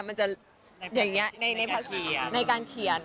มันจะอย่างงี้